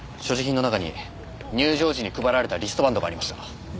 所持品の中に入場時に配られたリストバンドがありました。